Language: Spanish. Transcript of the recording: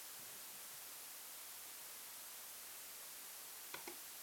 Cada subespecie se distribuye por las islas de una región: "M.f.